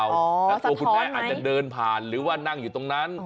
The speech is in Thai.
อ๋อสะท้อนไหมแล้วคุณแม่อาจจะเดินผ่านหรือว่านั่งอยู่ตรงนั้น